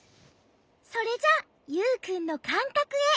それじゃユウくんのかんかくへ。